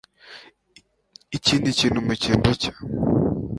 ikindi kintu mu cyimbo cye